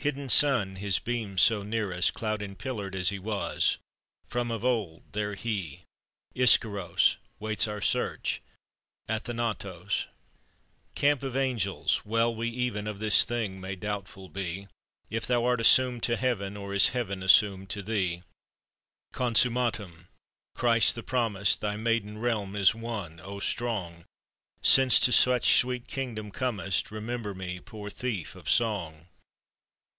Hidden Sun, His beams so near us, Cloud enpillared as He was From of old, there He, Ischyros, Waits our search, Athanatos! Camp of Angels! Well we even Of this thing may doubtful be, If thou art assumed to Heaven, Or is Heaven assumed to thee! Consummatum. Christ the promised, Thy maiden realm is won, O Strong! Since to such sweet Kingdom comest, Remember me, poor Thief of Song!